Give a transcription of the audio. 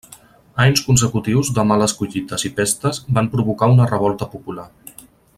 Anys consecutius de males collites i pestes van provocar una revolta popular.